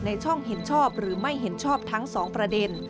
ช่องเห็นชอบหรือไม่เห็นชอบทั้งสองประเด็น